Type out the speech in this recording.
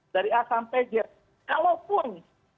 dari a sampai g kalaupun